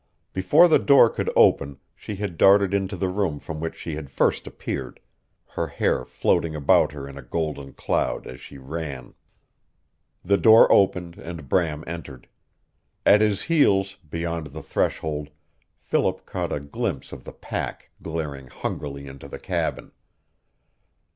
Before the door could open she had darted into the room from which she had first appeared, her hair floating about her in a golden cloud as she ran. The door opened, and Bram entered. At his heels, beyond the threshold, Philip caught a glimpse of the pack glaring hungrily into the cabin.